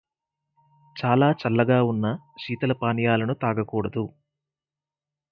చాలా చల్లగా ఉన్న శీతల పానీయాలను తాగకూడదు.